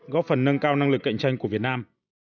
góp phần nâng cao năng lực cạnh tranh của việt nam